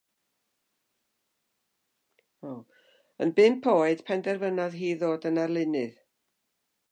Yn bump oed, penderfynodd hi ddod yn arlunydd.